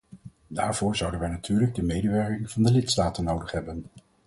Daarvoor zouden wij natuurlijk de medewerking van de lidstaten nodig hebben.